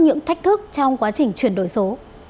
những thách thức trong quá trình chuyển đổi số